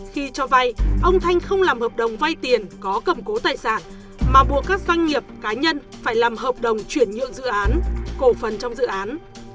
khi cho vay ông thanh không làm hợp đồng vay tiền có cầm cố tài sản mà buộc các doanh nghiệp cá nhân phải làm hợp đồng chuyển nhượng dự án cổ phần trong dự án